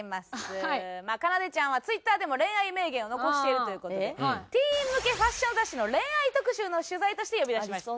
かなでちゃんはＴｗｉｔｔｅｒでも恋愛名言を残しているという事でティーン向けファッション雑誌の恋愛特集の取材として呼び出しました。